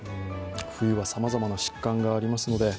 冬はさまざまな疾患がありますので。